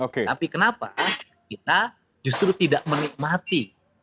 tapi kenapa kita justru tidak menikmati